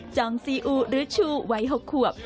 จองซีอูหรือชูไว้๖ควบ